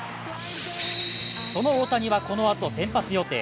その大谷は、このあと先発予定。